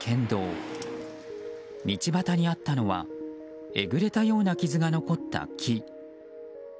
道端にあったのはえぐれたような傷が残った木。